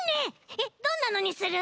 えっどんなにする？